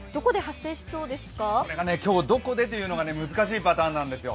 それが、今日どこでというのが難しいパターンなんですよ。